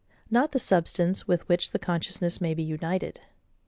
Not the substance with which the consciousness may be united.